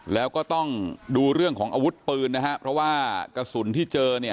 แล้วก็ต้องดูเรื่องของอาวุธปืนนะฮะเพราะว่ากระสุนที่เจอเนี่ย